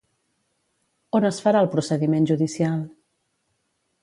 On es farà el procediment judicial?